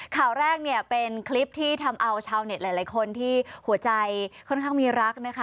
ข่าวแรกเนี่ยเป็นคลิปที่ทำเอาชาวเน็ตหลายคนที่หัวใจค่อนข้างมีรักนะคะ